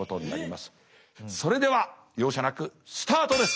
それでは容赦なくスタートです。